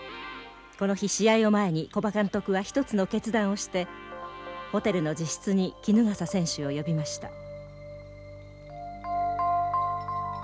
この日試合を前に古葉監督は一つの決断をしてホテルの自室に衣笠選手を呼びました。